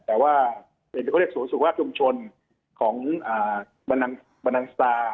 แต่ว่าเป็นส่วนส่วนสุขภาคยุมชนของบรรดังสตาร์